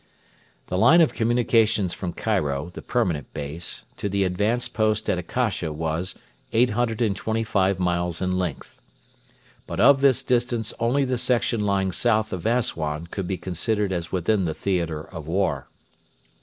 The line of communications from Cairo, the permanent base, to the advanced post at Akasha was 825 miles in length. But of this distance only the section lying south of Assuan could be considered as within the theatre of war.